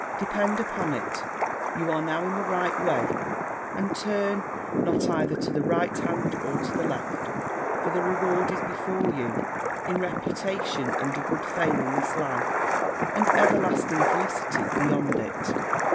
Depend upon it, you are now in the right way, and turn not either to the right hand or to the left; for the reward is before you, in reputation and a good fame in this life, and everlasting felicity beyond it.